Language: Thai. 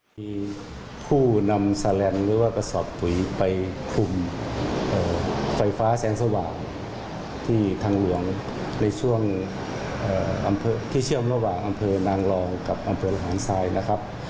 มีผู้นำแสลนด์หรือว่ากระสอบปุ๋ยไปคุมไฟฟ้าแสงสว่างที่ทางหลวงในช่วงอำเภอที่เชื่อมระหว่างอำเภอนางรองกับอำเภอหลานทรายนะครับ